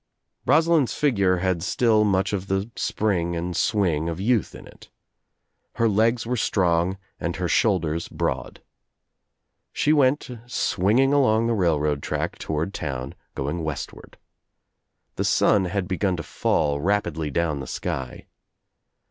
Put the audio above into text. Rosalind's figure had still much of the spring and swing of youth in it. Her legs were strong and her shoulders broad. She went swinging along the rail road track toward town, going westward. The sun had begun to fall rapidly down the sky.